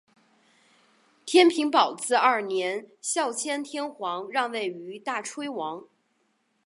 天平宝字二年孝谦天皇让位于大炊王。